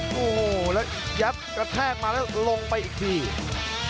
โอ้โหแล้วยับกระแทกมาแล้วลงไปอีกที